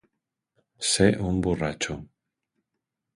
Ser un borratxo